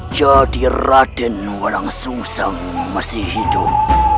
jadi raden walang susam masih hidup